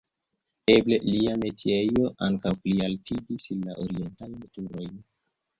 Eble lia metiejo ankaŭ plialtigis la orientajn turojn.